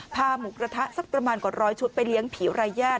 หมูกระทะสักประมาณกว่าร้อยชุดไปเลี้ยงผีรายญาติ